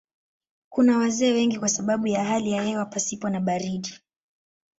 Kuna wazee wengi kwa sababu ya hali ya hewa pasipo na baridi.